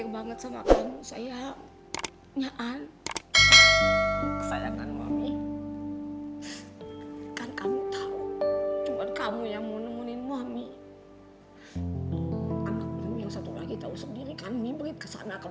mama sih gak minta untuk kamu lebih memihak adriana ketimbang reva anak kamu